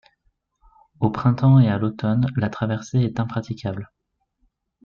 Au printemps et à l'automne la traversée est impraticable.